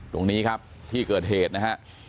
ตรงนี้ครับที่เกิดเหตุนะฮะ